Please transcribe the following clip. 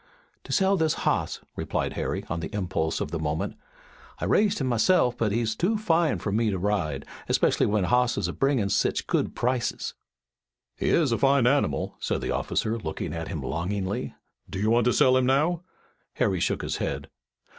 "To sell this hoss," replied Harry, on the impulse of the moment. "I raised him myself, but he's too fine fur me to ride, specially when hosses are bringin' sech good prices." "He is a fine animal," said the officer, looking at him longingly. "Do you want to sell him now?" Harry shook his head.